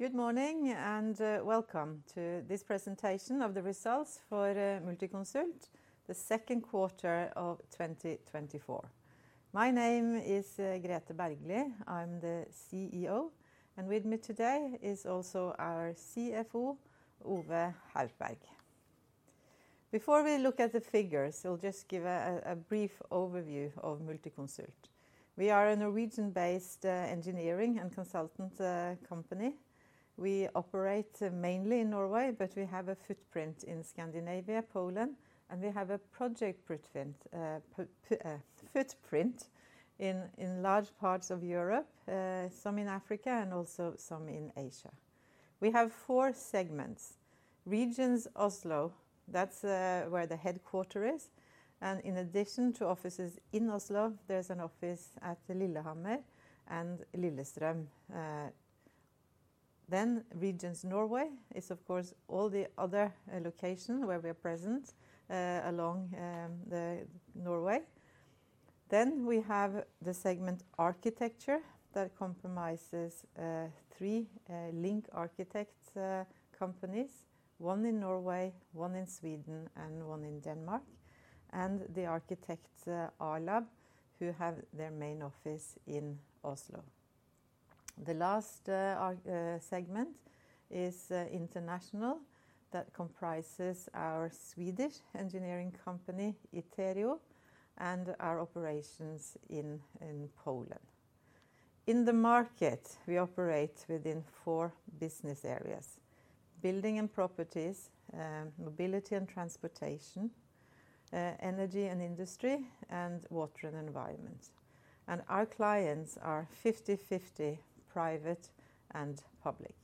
Good morning, and welcome to this presentation of the results for Multiconsult, the second quarter of 2024. My name is Grethe Bergly. I'm the CEO, and with me today is also our CFO, Ove Haupberg. Before we look at the figures, we'll just give a brief overview of Multiconsult. We are a Norwegian-based engineering and consultant company. We operate mainly in Norway, but we have a footprint in Scandinavia, Poland, and we have a project footprint in large parts of Europe, some in Africa and also some in Asia. We have four segments: Regions Oslo, that's where the headquarters is, and in addition to offices in Oslo, there's an office at the Lillehammer and Lillestrøm. Then Regions Norway is, of course, all the other location where we're present along the Norway. Then we have the segment Architecture that comprises three LINK Arkitektur companies, one in Norway, one in Sweden, and one in Denmark, and the Arkitektur A-lab, who have their main office in Oslo. The last segment is International, that comprises our Swedish engineering company, Iterio, and our operations in Poland. In the market, we operate within four business areas: Building & Properties, Mobility & Transportation, Energy & Industry, and Water & Environment. And our clients are 50/50 private and public.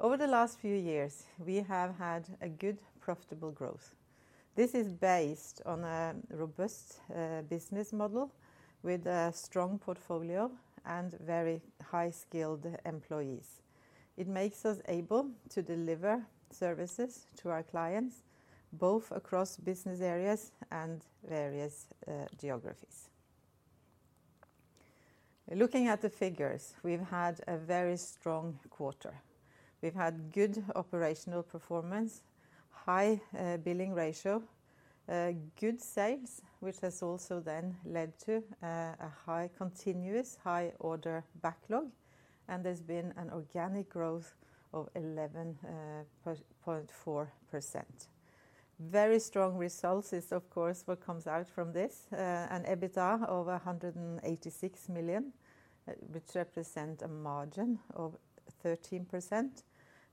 Over the last few years, we have had a good, profitable growth. This is based on a robust business model with a strong portfolio and very high-skilled employees. It makes us able to deliver services to our clients, both across business areas and various geographies. Looking at the figures, we've had a very strong quarter. We've had good operational performance, high billing ratio, good sales, which has also then led to a high continuous high order backlog, and there's been an organic growth of 11.4%. Very strong results is, of course, what comes out from this, and EBITDA over 186 million, which represent a margin of 13%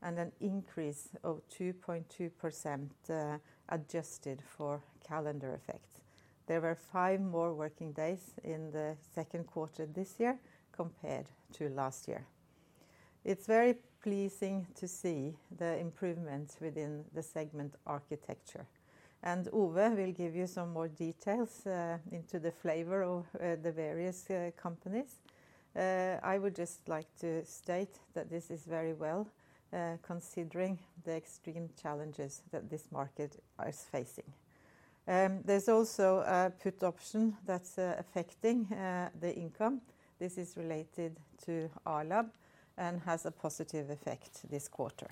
and an increase of 2.2%, adjusted for calendar effect. There were 5 more working days in the second quarter this year compared to last year. It's very pleasing to see the improvements within the segment Architecture, and Ove will give you some more details into the flavor of the various companies. I would just like to state that this is very well considering the extreme challenges that this market is facing. There's also a put option that's affecting the income. This is related to A-lab and has a positive effect this quarter.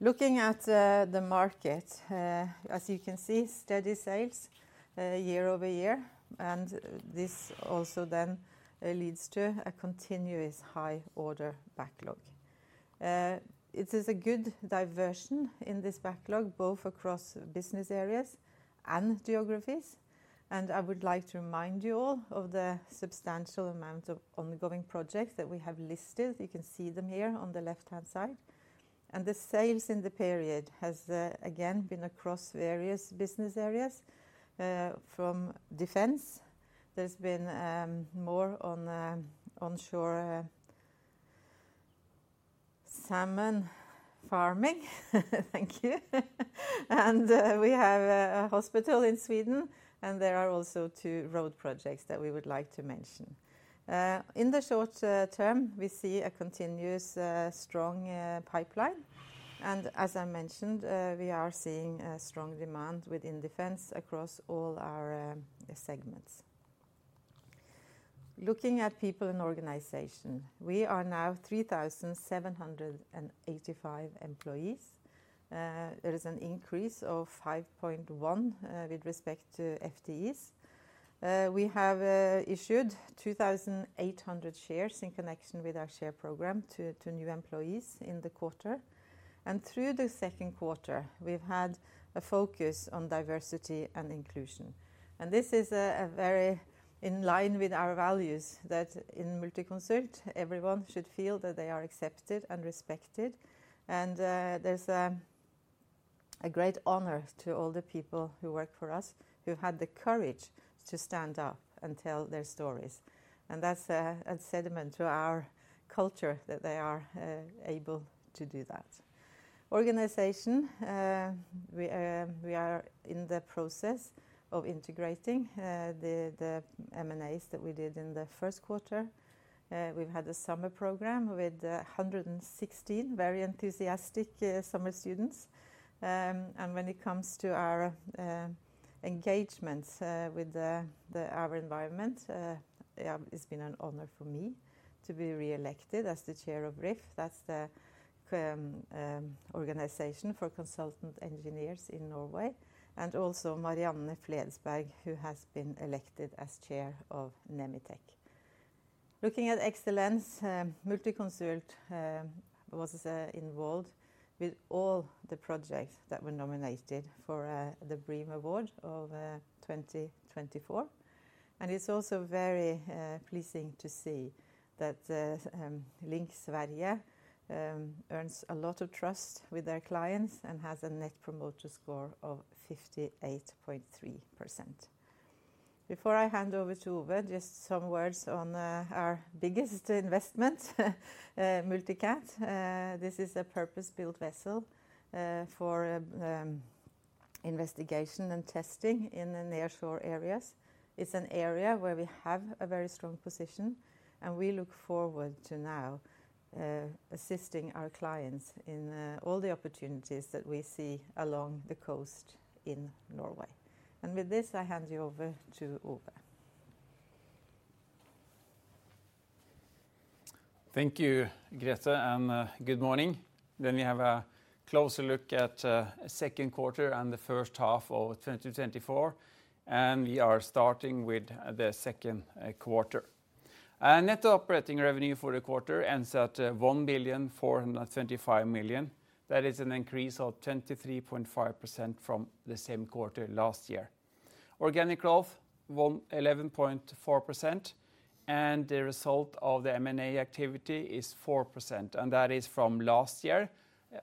Looking at the market, as you can see, steady sales year-over-year, and this also then leads to a continuous high order backlog. It is a good diversification in this backlog, both across business areas and geographies, and I would like to remind you all of the substantial amount of ongoing projects that we have listed. You can see them here on the left-hand side. The sales in the period has again been across various business areas from defense. There's been more on onshore salmon farming. Thank you. We have a hospital in Sweden, and there are also two road projects that we would like to mention. In the short term, we see a continuous strong pipeline, and as I mentioned, we are seeing a strong demand within defense across all our segments. Looking at people and organization, we are now 3,785 employees. There is an increase of 5.1 with respect to FTEs. We have issued 2,800 shares in connection with our share program to new employees in the quarter. And through the second quarter, we've had a focus on diversity and inclusion, and this is very in line with our values, that in Multiconsult, everyone should feel that they are accepted and respected. And there's a great honor to all the people who work for us, who've had the courage to stand up and tell their stories. And that's a sentiment to our culture that they are able to do that. Organization, we are in the process of integrating the M&As that we did in the first quarter. We've had a summer program with 116 very enthusiastic summer students. And when it comes to our engagements with our environment, it's been an honor for me to be re-elected as the chair of RIF. That's the organization for consultant engineers in Norway, and also Marianne Wibe Fledsberg, who has been elected as chair of NemiTek. Looking at excellence, Multiconsult was involved with all the projects that were nominated for the BREEAM award of 2024. And it's also very pleasing to see that the LINK Sverige earns a lot of trust with their clients and has a Net Promoter Score of 58.3%. Before I hand over to Ove, just some words on our biggest investment, MultiCat. This is a purpose-built vessel for investigation and testing in the nearshore areas. It's an area where we have a very strong position, and we look forward to now assisting our clients in all the opportunities that we see along the coast in Norway. And with this, I hand you over to Ove. Thank you, Grethe, and good morning. Then we have a closer look at second quarter and the first half of 2024, and we are starting with the second quarter. Net operating revenue for the quarter ends at 1,425 million. That is an increase of 23.5% from the same quarter last year. Organic growth 11.4%, and the result of the M&A activity is 4%, and that is from last year,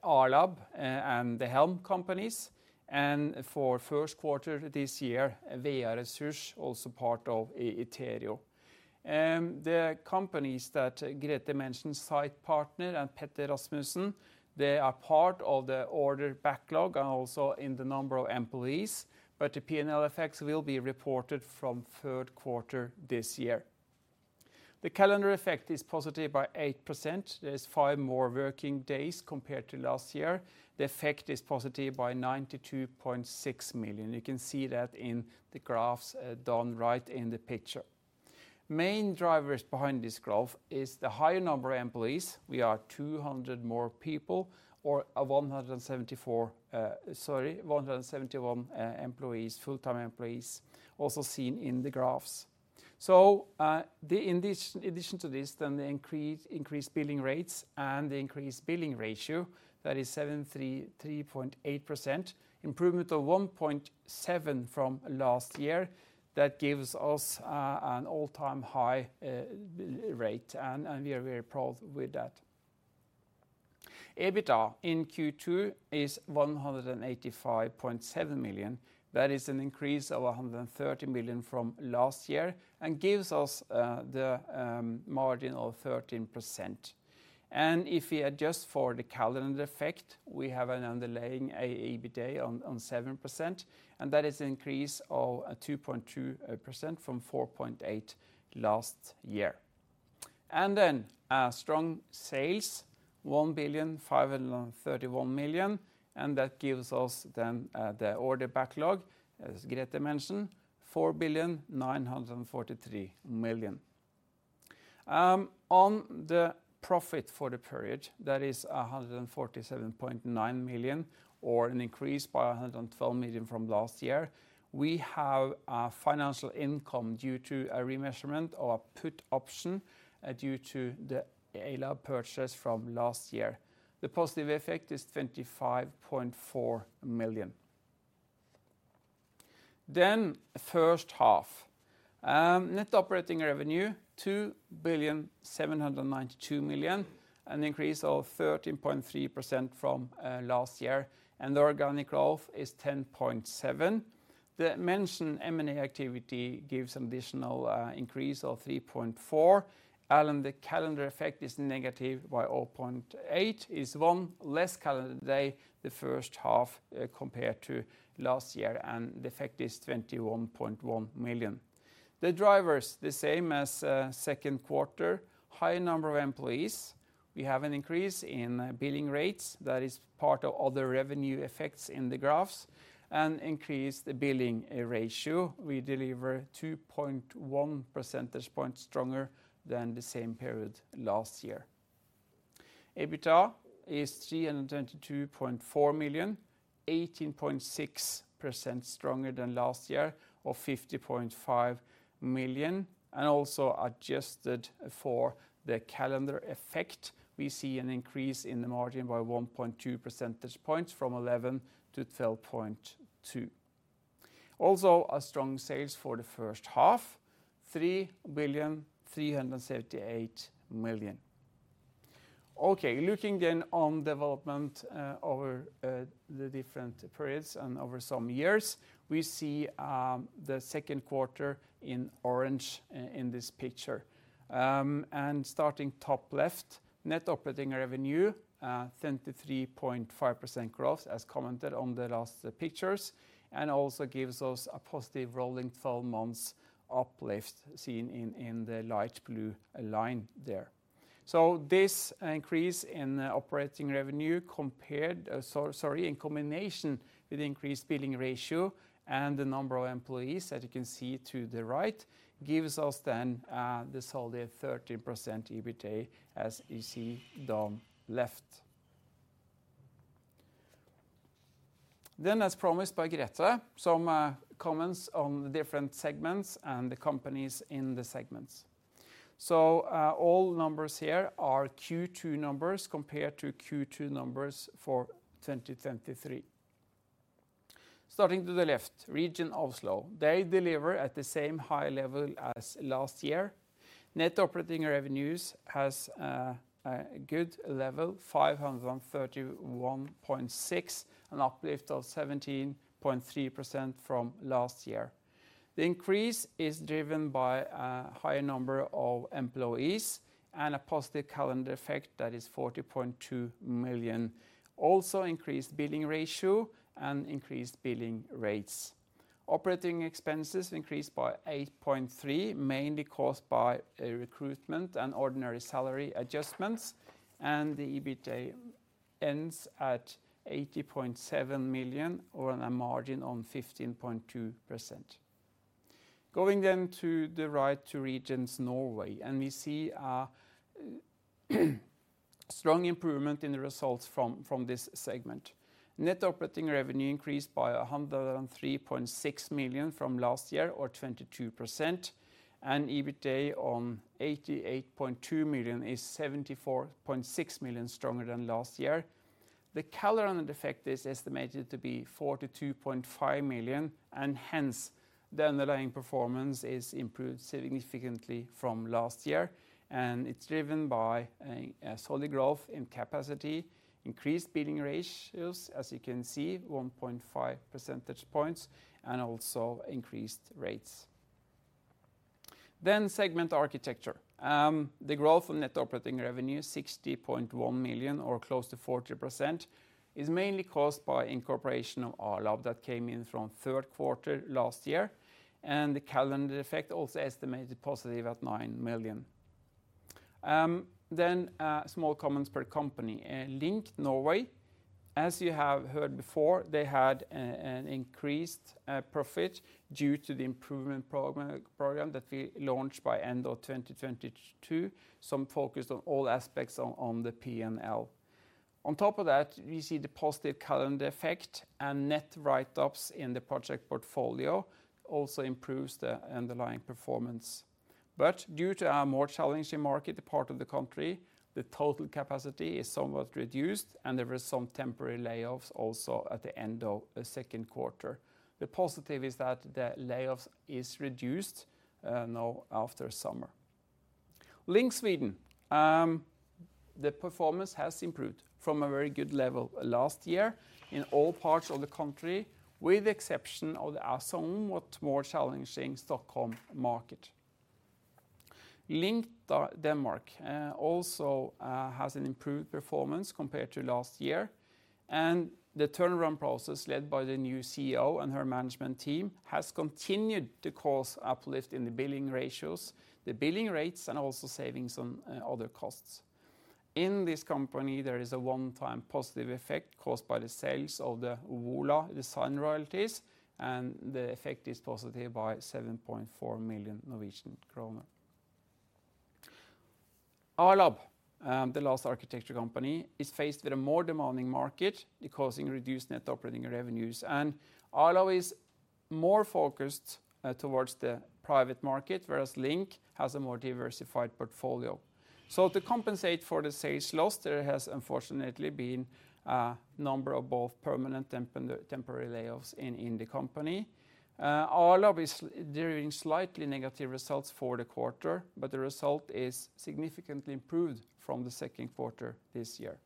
A-lab and the Helm companies, and for first quarter this year, VA-Resurs, also part of Iterio. The companies that Grethe mentioned, Sitepartner and Petter Rasmussen, they are part of the order backlog and also in the number of employees, but the P&L effects will be reported from third quarter this year. The calendar effect is positive by 8%. Are five more working days compared to last year. The effect is positive by 92.6 million. You can see that in the graphs down right in the picture. Main drivers behind this growth is the higher number of employees. We are 200 more people, or, 174, sorry, 171 full-time employees, also seen in the graphs. So, in addition to this, the increased billing rates and the increased billing ratio, that is 73.8%, improvement of 1.7% from last year, that gives us an all-time high rate, and we are very proud with that. EBITDA in Q2 is 185.7 million. That is an increase of 130 million from last year and gives us the margin of 13%, and if we adjust for the calendar effect, we have an underlying EBITDA on 7%, and that is an increase of 2.2% from 4.8% last year, and then strong sales 1.531 billion, and that gives us then the order backlog, as Grethe mentioned, 4.943 billion. On the profit for the period, that is 147.9 million, or an increase by 112 million from last year. We have a financial income due to a remeasurement of a put option due to the A-lab purchase from last year. The positive effect is 25.4 million. Then first half net operating revenue 2,792 million, an increase of 13.3% from last year, and the organic growth is 10.7%. The mentioned M&A activity gives additional increase of 3.4%, and the calendar effect is negative by 0.8%, is one less calendar day the first half compared to last year, and the effect is 21.1 million. The drivers, the same as second quarter, high number of employees. We have an increase in billing rates. That is part of other revenue effects in the graphs, and increase the billing ratio. We deliver 2.1 percentage point stronger than the same period last year. EBITDA is 322.4 million, 18.6% stronger than last year, or 50.5 million, and also adjusted for the calendar effect. We see an increase in the margin by 1.2 percentage points from 11% to 12.2%. Also, a strong sales for the first half, 3,378 million. Okay, looking then on development over the different periods and over some years, we see the second quarter in orange in this picture. And starting top left, net operating revenue, 23.5% growth, as commented on the last pictures, and also gives us a positive rolling 12 months uplift seen in the light blue line there. This increase in operating revenue in combination with increased billing ratio and the number of employees, as you can see to the right, gives us then the solid 13% EBITDA, as you see down left. As promised by Grethe, some comments on the different segments and the companies in the segments. All numbers here are Q2 numbers compared to Q2 numbers for 2023. Starting to the left, region Oslo. They deliver at the same high level as last year. Net operating revenues has a good level, 531.6 million, an uplift of 17.3% from last year. The increase is driven by a higher number of employees and a positive calendar effect that is 40.2 million. Also increased billing ratio and increased billing rates. Operating expenses increased by 8.3 million, mainly caused by a recruitment and ordinary salary adjustments, and the EBITDA ends at 80.7 million or on a margin of 15.2%. Going then to the right to regions Norway, and we see a strong improvement in the results from this segment. Net operating revenue increased by 103.6 million from last year, or 22%, and EBITDA on 88.2 million is 74.6 million stronger than last year. The calendar effect is estimated to be 42.5 million, and hence, the underlying performance is improved significantly from last year, and it's driven by a solid growth in capacity, increased billing ratios, as you can see, 1.5 percentage points, and also increased rates. Then segment Architecture. The growth of net operating revenue, 60.1 million or close to 40%, is mainly caused by incorporation of A-lab that came in from third quarter last year, and the calendar effect also estimated positive at 9 million. Then, small comments per company. LINK Norway, as you have heard before, they had an increased profit due to the improvement program that we launched by end of 2022. So focused on all aspects on the P&L. On top of that, we see the positive calendar effect and net write-ups in the project portfolio also improves the underlying performance. But due to a more challenging market part of the country, the total capacity is somewhat reduced, and there were some temporary layoffs also at the end of the second quarter. The positive is that the layoffs is reduced, now after summer. LINK Sweden. The performance has improved from a very good level last year in all parts of the country, with the exception of a somewhat more challenging Stockholm market. LINK Denmark also has an improved performance compared to last year, and the turnaround process, led by the new CEO and her management team, has continued to cause uplift in the billing ratios, the billing rates, and also savings on other costs. In this company, there is a one-time positive effect caused by the sales of the Alum design royalties, and the effect is positive by 7.4 million Norwegian kroner. A-lab, the last architecture company, is faced with a more demanding market, causing reduced net operating revenues. A-lab is more focused towards the private market, whereas LINK has a more diversified portfolio. To compensate for the sales loss, there has unfortunately been a number of both permanent and temporary layoffs in the company. A-lab is doing slightly negative results for the quarter, but the result is significantly improved from the second quarter this year.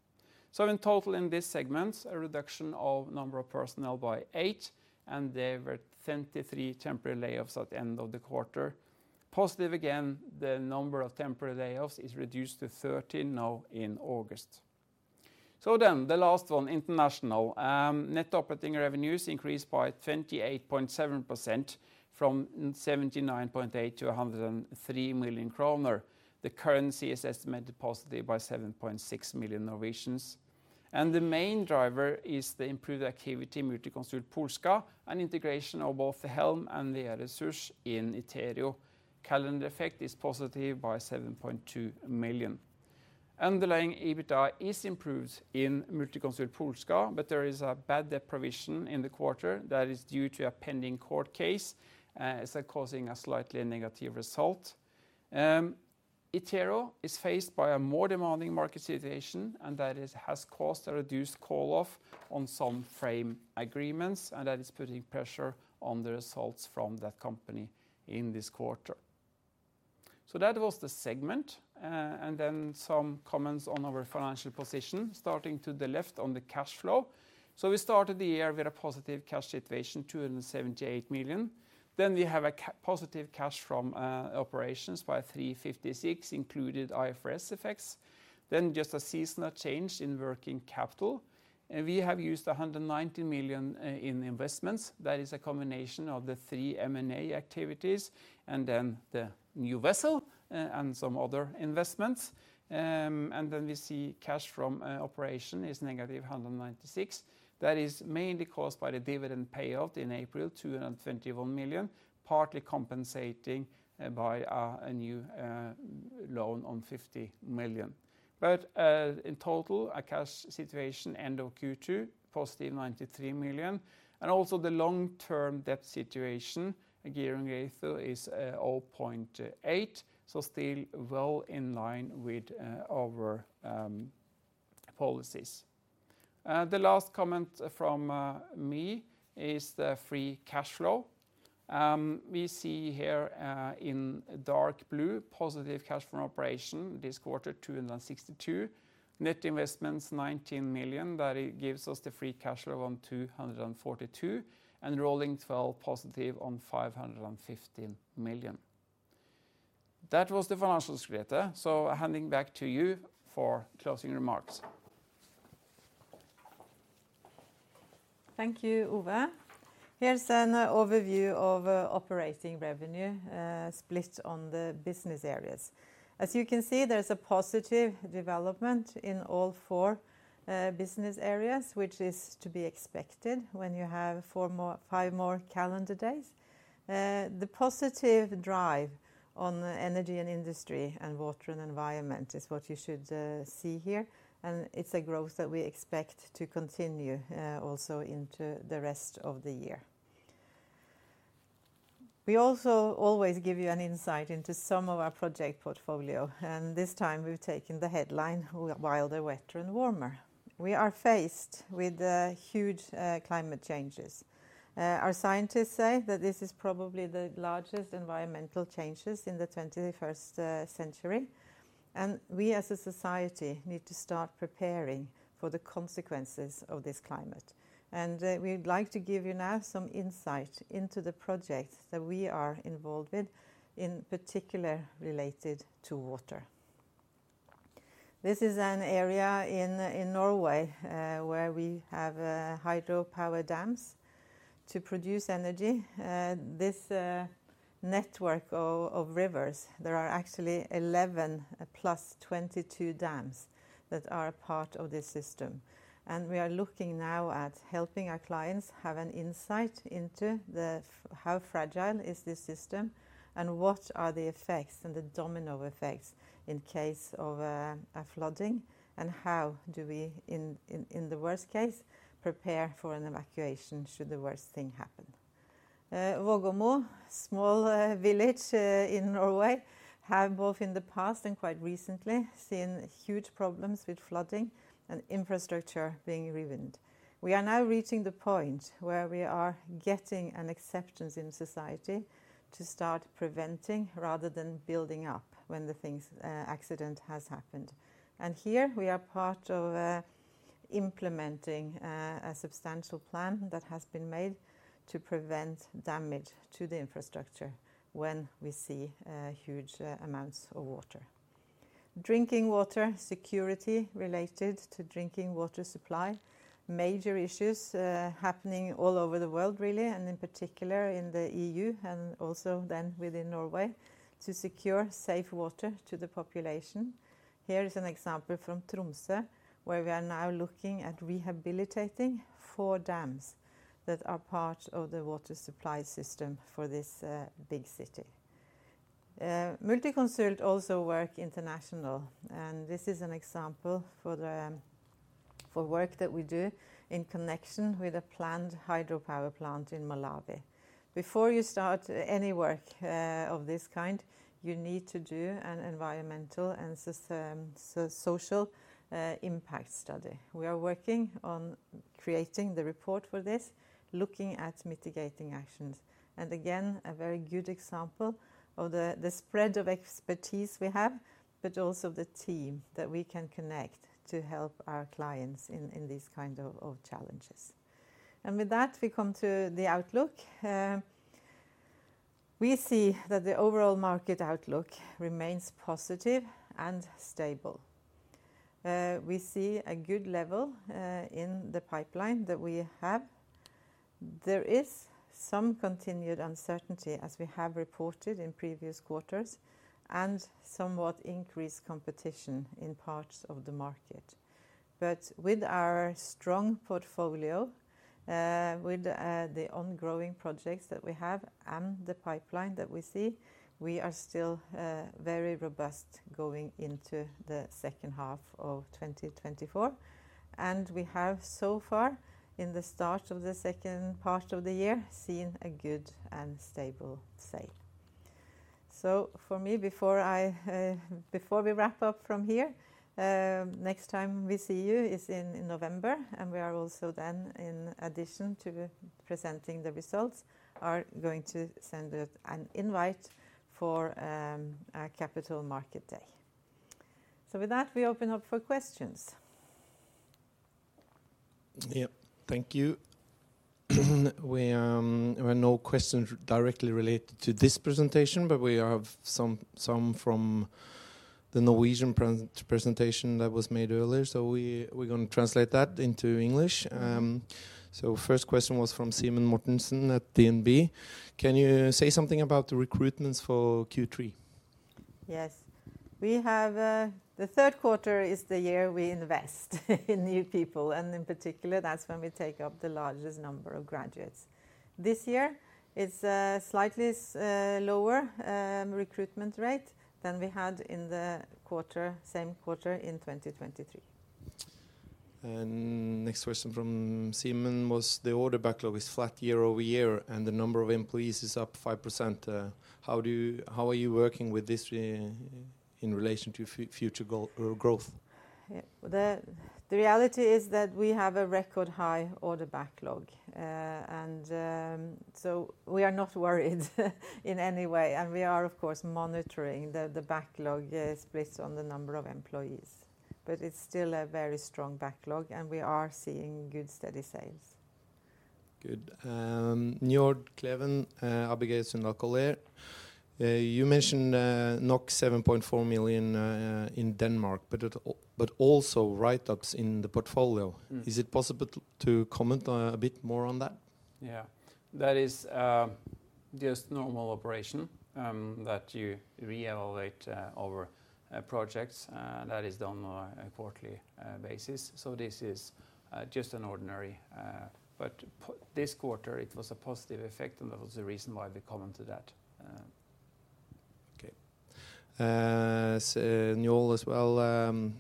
In total, in this segment, a reduction of number of personnel by 8, and there were 23 temporary layoffs at the end of the quarter. Positive again, the number of temporary layoffs is reduced to 13 now in August. Then, the last one, International. Net operating revenues increased by 28.7% from 79.8 milion to 103 million kroner. The currency is estimated positively by 7.6 million. The main driver is the improved activity in Multiconsult Polska, an integration of both the Helm and the Resurs in Iterio. Calendar effect is positive by 7.2 million. Underlying EBITDA is improved in Multiconsult Polska, but there is a bad debt provision in the quarter that is due to a pending court case is causing a slightly negative result. Iterio is faced by a more demanding market situation, and that has caused a reduced call-off on some frame agreements, and that is putting pressure on the results from that company in this quarter. So that was the segment and then some comments on our financial position, starting to the left on the cash flow. We started the year with a positive cash situation, 278 million. Then we have positive cash from operations by 356 million, included IFRS effects. Then just a seasonal change in working capital, and we have used 190 million in investments. That is a combination of the three M&A activities and then the new vessel and some other investments. And then we see cash from operations is negative 196 million. That is mainly caused by the dividend payout in April, 221 million, partly compensated by a new loan on 50 million. But in total, cash situation end of Q2 positive 93 million, and also the long-term debt situation, gearing ratio, is 0.8, so still well in line with our policies. The last comment from me is the free cash flow. We see here, in dark blue, positive cash from operations this quarter, 262 million. Net investments, 19 million, that it gives us the free cash flow on 242 million, and rolling 12 positive on 515 million. That was the financials, Grethe, so handing back to you for closing remarks. Thank you, Ove. Here's an overview of operating revenue split on the business areas. As you can see, there's a positive development in all four business areas, which is to be expected when you have five more calendar days. The positive drive on the Energy & Industry and Water & Environment is what you should see here, and it's a growth that we expect to continue also into the rest of the year. We also always give you an insight into some of our project portfolio, and this time we've taken the headline, Wilder, Wetter, and Warmer. We are faced with huge climate changes. Our scientists say that this is probably the largest environmental changes in the 21st century, and we, as a society, need to start preparing for the consequences of this climate. We'd like to give you now some insight into the projects that we are involved with, in particular related to water. This is an area in Norway where we have hydropower dams to produce energy. This network of rivers, there are actually 11 plus 22 dams that are a part of this system. We are looking now at helping our clients have an insight into how fragile is this system, and what are the effects and the domino effects in case of a flooding, and how do we, in the worst case, prepare for an evacuation should the worst thing happen? Vågåmo, small village in Norway, have both in the past and quite recently seen huge problems with flooding and infrastructure being ruined. We are now reaching the point where we are getting an acceptance in society to start preventing rather than building up when the accident has happened. And here we are part of implementing a substantial plan that has been made to prevent damage to the infrastructure when we see huge amounts of water. Drinking water security related to drinking water supply, major issues happening all over the world, really, and in particular in the E.U. and also then within Norway, to secure safe water to the population. Here is an example from Tromsø, where we are now looking at rehabilitating four dams that are part of the water supply system for this big city. Multiconsult also work international, and this is an example for the work that we do in connection with a planned hydropower plant in Malawi. Before you start any work of this kind, you need to do an environmental and social impact study. We are working on creating the report for this, looking at mitigating actions. And again, a very good example of the spread of expertise we have, but also the team that we can connect to help our clients in these kind of challenges. And with that, we come to the outlook. We see that the overall market outlook remains positive and stable. We see a good level in the pipeline that we have. There is some continued uncertainty, as we have reported in previous quarters, and somewhat increased competition in parts of the market. But with our strong portfolio, with the ongoing projects that we have and the pipeline that we see, we are still very robust going into the second half of 2024. And we have, so far, in the start of the second part of the year, seen a good and stable sales. So for me, before I... Before we wrap up from here, next time we see you is in November, and we are also then, in addition to presenting the results, going to send out an invite for our Capital Markets Day. So with that, we open up for questions. Yep. Thank you. We have no questions directly related to this presentation, but we have some from the Norwegian presentation that was made earlier, so we're gonna translate that into English. So first question was from Simen Mortensen at DNB: Can you say something about the recruitments for Q3? Yes. We have. The third quarter is the year we invest in new people, and in particular, that's when we take up the largest number of graduates. This year, it's a slightly lower recruitment rate than we had in the quarter, same quarter in 2023. Next question from Simen was: The order backlog is flat year-over-year, and the number of employees is up 5%. How are you working with this in relation to future goal, growth? Yeah. The reality is that we have a record high order backlog, and so we are not worried in any way, and we are, of course, monitoring the backlog splits on the number of employees, but it's still a very strong backlog, and we are seeing good, steady sales. Good. Njal Kleiven, ABG Sundal Collier. You mentioned 7.4 million in Denmark, but also write-ups in the portfolio. Mm. Is it possible to comment a bit more on that? Yeah. That is just normal operation that you re-evaluate over projects. That is done on a quarterly basis, so this is just an ordinary. But this quarter, it was a positive effect, and that was the reason why we commented that. Okay. So Njal as well,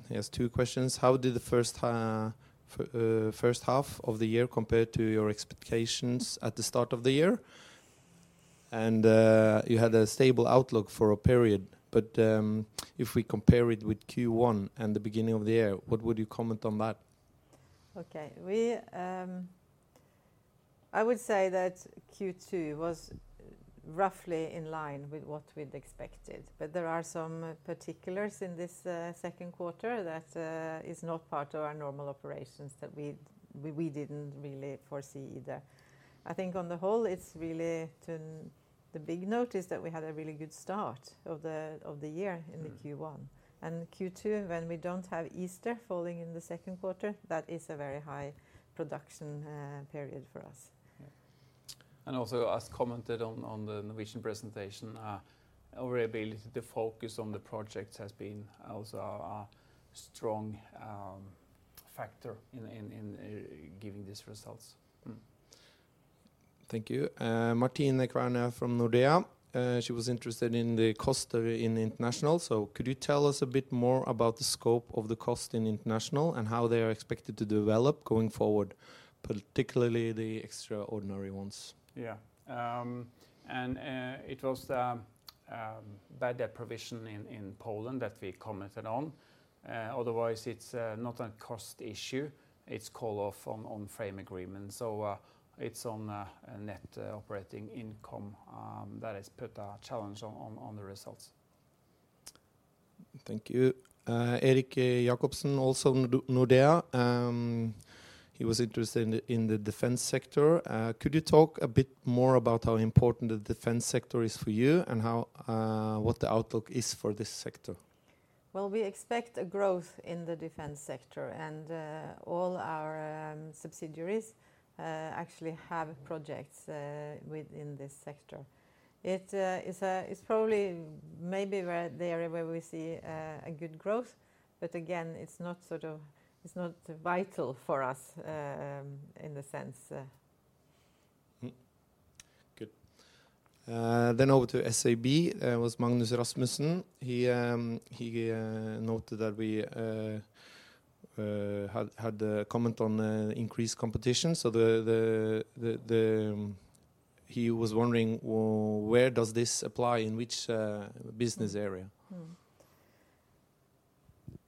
he has two questions: How did the first half of the year compare to your expectations at the start of the year? And, you had a stable outlook for a period, but, if we compare it with Q1 and the beginning of the year, what would you comment on that? Okay, we. I would say that Q2 was roughly in line with what we'd expected. But there are some particulars in this second quarter that is not part of our normal operations, that we didn't really foresee either. I think on the whole, it's really the big note is that we had a really good start of the year. Mm... in the Q1 and Q2, when we don't have Easter falling in the second quarter, that is a very high production period for us. Yeah. And also, as commented on, on the innovation presentation, our ability, the focus on the projects has been also a strong factor in giving these results. Thank you. Martine Kverne from Nordea, she was interested in the cost in International. So could you tell us a bit more about the scope of the cost in International and how they are expected to develop going forward, particularly the extraordinary ones? Yeah. And it was the bad debt provision in Poland that we commented on. Otherwise, it's not a cost issue, it's call off on frame agreement. So, it's on a net operating income that has put a challenge on the results. Thank you. Erik Jakobsen, also Nordea, he was interested in the defense sector. Could you talk a bit more about how important the defense sector is for you, and how what the outlook is for this sector? We expect a growth in the defense sector, and all our subsidiaries actually have projects within this sector. It's probably maybe the area where we see a good growth, but again, it's not vital for us in a sense. Good. Then over to SEB was Magnus Rasmussen. He noted that we had a comment on increased competition, so he was wondering where does this apply, in which business area?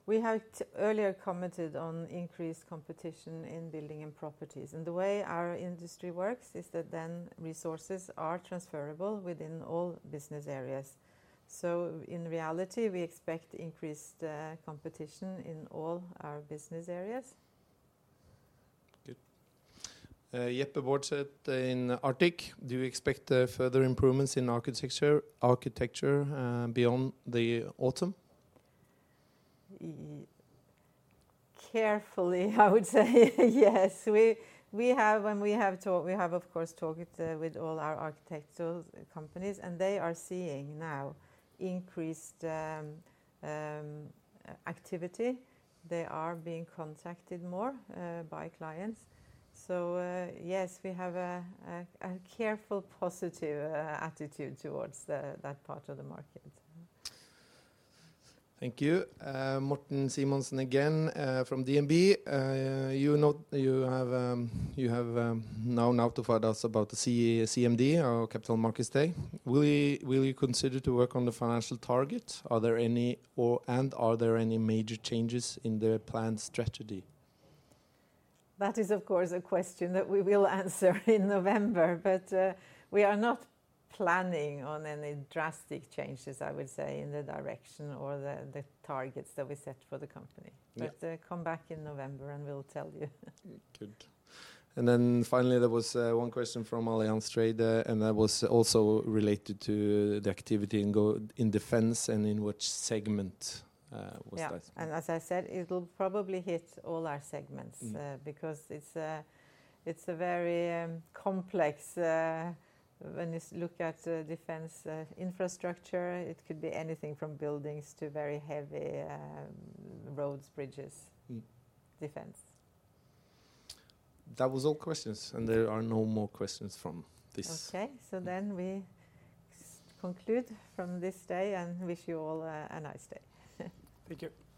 We had earlier commented on increased competition in Building & Properties, and the way our industry works is that then resources are transferable within all business areas. So in reality, we expect increased competition in all our business areas. Good. Sindre Sorbye in Arctic: Do you expect further improvements in Architecture beyond the autumn? Carefully, I would say yes. We have talked, of course, with all our architectural companies, and they are seeing now increased activity. They are being contacted more by clients. So, yes, we have a careful positive attitude towards that part of the market. Thank you. Simen Mortensen again, from DNB. You know, you have now notified us about the CMD, our Capital Markets Day. Will you consider to work on the financial target? Are there any and are there any major changes in the planned strategy? That is, of course, a question that we will answer in November, but we are not planning on any drastic changes, I would say, in the direction or the targets that we set for the company. Yeah. But, come back in November, and we'll tell you. Good. And then finally, there was one question from Allianz Trade, and that was also related to the activity in defense and in which segment was that? Yeah. And as I said, it'll probably hit all our segments- Mm... because it's a very complex, when you look at defense infrastructure, it could be anything from buildings to very heavy roads, bridges- Mm... defense. That was all questions, and there are no more questions from this. Okay. Mm. So then we conclude from this day and wish you all a nice day. Thank you!